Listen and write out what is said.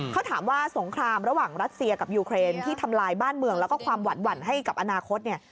เขาถามว่าสงครามระหว่างรัสเซียกับยูเครนที่ทำลายบ้านเมืองแล้วก็ความหวั่นให้กับอนาคตเนี่ย